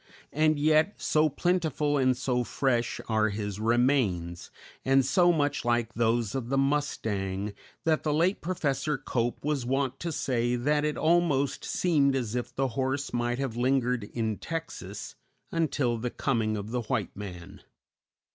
And yet, so plentiful and so fresh are his remains, and so much like those of the mustang, that the late Professor Cope was wont to say that it almost seemed as if the horse might have lingered in Texas until the coming of the white man.